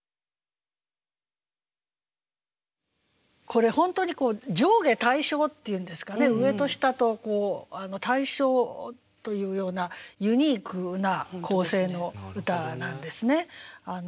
これ本当に上下対称っていうんですかね上と下と対称というようなユニークな構成の歌なんですね。